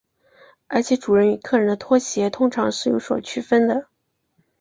而且主人与客人的拖鞋通常是有所区分的。